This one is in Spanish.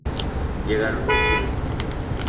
Llegaron de Chile.